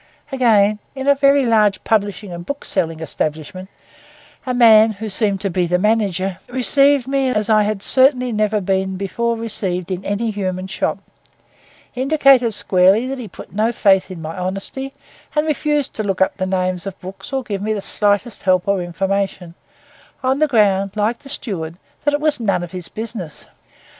Again, in a very large publishing and bookselling establishment, a man, who seemed to be the manager, received me as I had certainly never before been received in any human shop, indicated squarely that he put no faith in my honesty, and refused to look up the names of books or give me the slightest help or information, on the ground, like the steward, that it was none of his business.